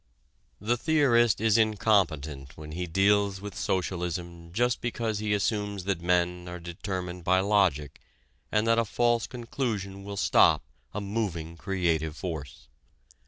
The theorist is incompetent when he deals with socialism just because he assumes that men are determined by logic and that a false conclusion will stop a moving, creative force.